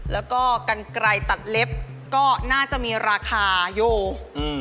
แล้วก็กันไกลตัดเล็บก็น่าจะมีราคาอยู่อืม